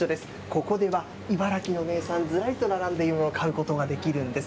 ここでは、茨城の名産、ずらりと並んでいるのを買うことができるんです。